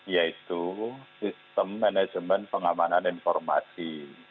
yaitu sistem manajemen pengamanan informasi